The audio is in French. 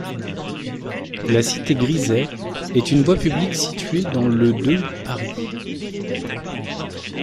La cité Griset est une voie publique située dans le de Paris.